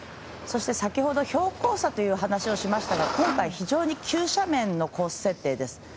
そして先ほど標高差という話をしましたが今回、非常に急斜面のコース設定です。